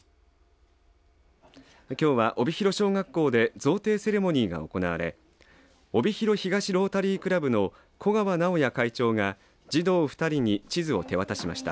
きょうは帯広小学校で贈呈セレモニーが行われ帯広東ロータリークラブの古川直也会長が児童２人に地図を手渡しました。